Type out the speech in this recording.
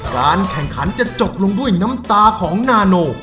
การแข่งขันจะจบลงด้วยน้ำตาของนาโน